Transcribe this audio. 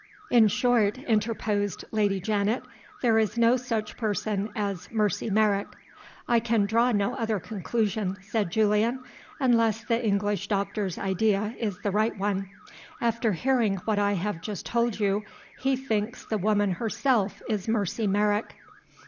"In short," interposed Lady Janet, "there is no such person as Mercy Merrick." "I can draw no other conclusion," said Julian, "unless the English doctor's idea is the right one. After hearing what I have just told you, he thinks the woman herself is Mercy Merrick."